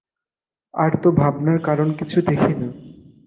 আর তো ভাবনার কারণ কিছু দেখি না।